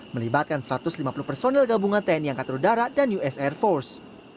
melibatkan satu ratus lima puluh personel gabungan tni angkatan udara dan us air force